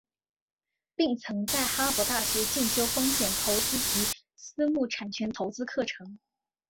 并曾在哈佛大学进修风险投资及私募产权投资课程。